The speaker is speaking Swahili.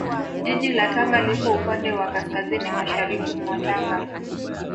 Jiji la Tanga lipo upande wa Kaskazini Mashariki mwa Tanga